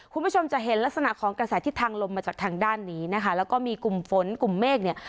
คุณผู้ชมจะเห็นลักษณะของกระแสทิศทางลมมาจากทางด้านนี้นะคะแล้วก็มีกลุ่มฝนกลุ่มเมฆเนี่ย